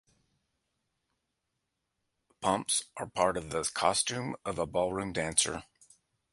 Pumps are also part of the costume of a ballroom dancer.